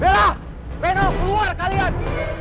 bela beno keluar kalian